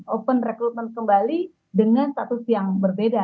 open recruitment kembali dengan status yang berbeda